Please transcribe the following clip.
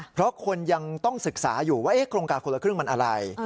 เพราะคนยังต้องศึกษาอยู่ว่าโครงการคนละครึ่งมันอะไร